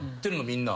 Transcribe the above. みんな。